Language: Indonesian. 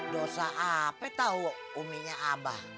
dosa apa tahu uminya abah